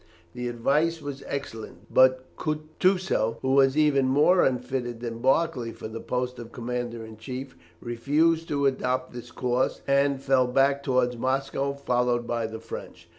The advice was excellent, but Kutusow, who was even more unfitted than Barclay for the post of commander in chief, refused to adopt this course, and fell back towards Moscow, followed by the French.